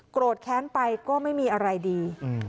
แค้นไปก็ไม่มีอะไรดี